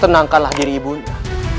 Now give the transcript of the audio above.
tenangkanlah diri ibunda